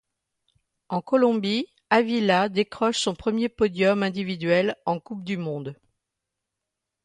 En Colombie, Ávila décroche son premier podium individuel en coupe du monde.